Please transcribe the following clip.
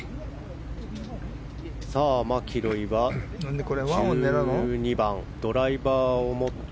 マキロイは１２番、ドライバーを持って。